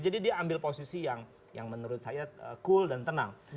jadi dia ambil posisi yang menurut saya cool dan tenang